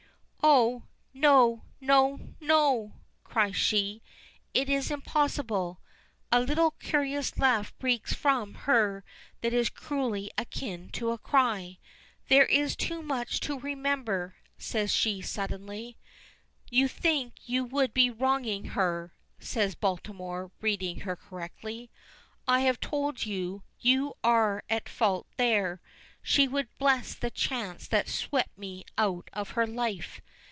"Oh! no, no, no!" cries she. "It is impossible!" A little curious laugh breaks from her that is cruelly akin to a cry. "There is too much to remember," says she, suddenly. "You think you would be wronging her," says Baltimore, reading her correctly. "I have told you you are at fault there. She would bless the chance that swept me out of her life.